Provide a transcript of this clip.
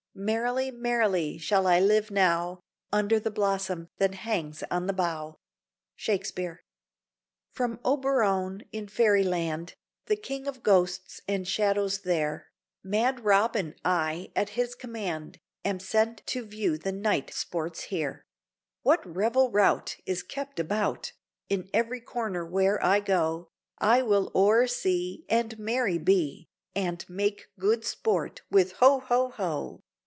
Merrily, merrily, shall I live now, Under the blossom that hangs on the bough! Shakespeare From Oberon in Fairyland, The King of ghosts and shadows there, Mad Robin, I, at his command, Am sent to view the night sports here. What revel rout Is kept about, In every corner where I go, I will o'ersee, and merry be, And make good sport, with ho! ho! ho!